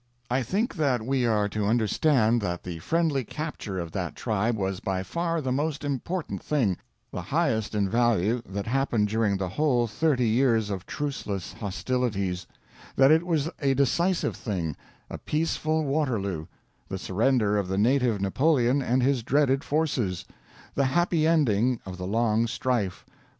I think that we are to understand that the friendly capture of that tribe was by far the most important thing, the highest in value, that happened during the whole thirty years of truceless hostilities; that it was a decisive thing, a peaceful Waterloo, the surrender of the native Napoleon and his dreaded forces, the happy ending of the long strife.